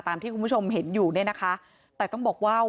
ที่คุณผู้ชมเห็นอยู่เนี่ยนะคะแต่ต้องบอกว่า